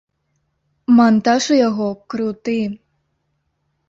Мантаж у яго круты!